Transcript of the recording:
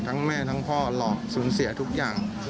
แม่ทั้งพ่อหลอกสูญเสียทุกอย่าง